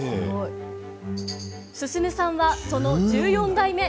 晋さんは、その１４代目。